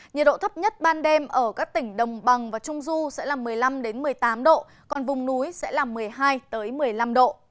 nhiệt độ thấp nhất ban đêm ở các tỉnh đồng bằng và trung du sẽ là một mươi năm